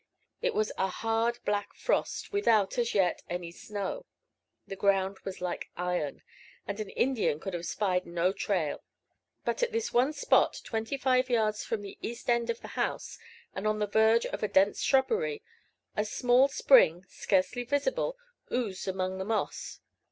It was a hard black frost, without, as yet, any snow. The ground was like iron, and an Indian could have spied no trail. But at this one spot, twenty five yards from the east end of the house, and on the verge of a dense shrubbery, a small spring, scarcely visible, oozed among the moss.